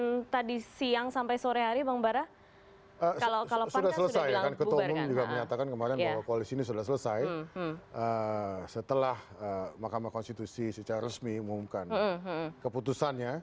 ketua umum juga menyatakan kemarin bahwa koalisi ini sudah selesai setelah mahkamah konstitusi secara resmi mengumumkan keputusannya